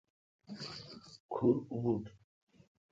کھور اوبوٹھ۔